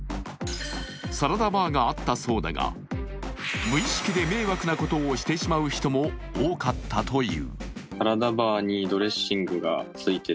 サラダバーがあったそうだが無意識で迷惑なことをしてしまう人も多かったという。